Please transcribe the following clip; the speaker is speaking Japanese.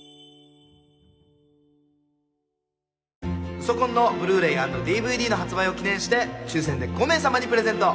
「ウソ婚」のＢｌｕーｒａｙアンドＤＶＤの発売を記念して抽選で５名様にプレゼント。